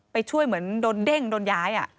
ไปช่วยเหมือนโดนเด้งโดนย้าย